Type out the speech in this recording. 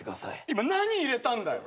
今何入れたんだよ？